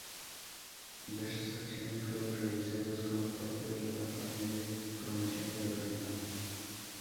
Diversas acciones fueron realizadas como parte de la campaña de promoción de la película.